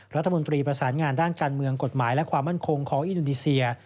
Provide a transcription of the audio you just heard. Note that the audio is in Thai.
รัฐมนตรีประสานงานด้านการเมืองกฎหมายและความมั่นคงของอินโดนีเซีย